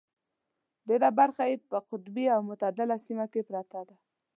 ډېره برخه یې په قطبي او متعدله سیمه کې پرته ده.